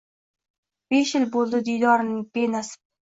Besh yil buldi diydor be nasib